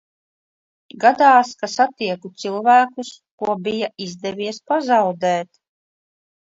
Gadās, ka satieku cilvēkus, ko bija izdevies pazaudēt.